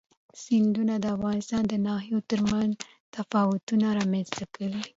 سیندونه د افغانستان د ناحیو ترمنځ تفاوتونه رامنځ ته کوي.